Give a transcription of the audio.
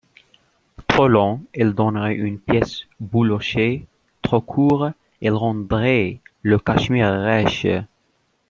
Trop long, il donnerait une pièce boulochée, trop court, il rendrait le cachemire rêche.